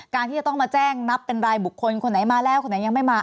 ที่จะต้องมาแจ้งนับเป็นรายบุคคลคนไหนมาแล้วคนไหนยังไม่มา